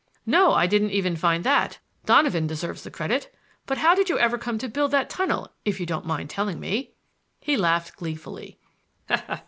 "No; I didn't even find that. Donovan deserves the credit. But how did you ever come to build that tunnel, if you don't mind telling me?" He laughed gleefully.